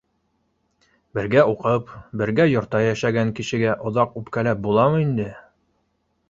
Бергә уҡып, бер йортта йәшәгән кешегә оҙаҡ үпкәләп буламы инде?!